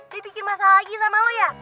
dia bikin masalah lagi sama lo ya